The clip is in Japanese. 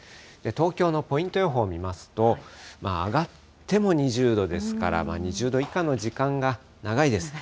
東京のポイント予報を見ますと、上がっても２０度ですから、２０度以下の時間が長いです。